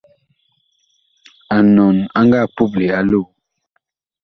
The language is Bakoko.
Anɔn ag nga puple a loo.